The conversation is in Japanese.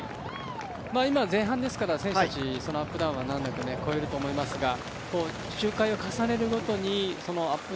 今、前半ですから選手たちそのアップダウンは難なく越えられると思いますが周回を重ねるごとにアップ